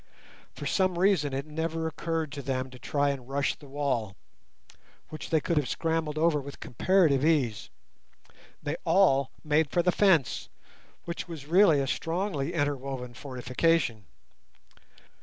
For some reason it never occurred to them to try and rush the wall, which they could have scrambled over with comparative ease; they all made for the fence, which was really a strongly interwoven fortification.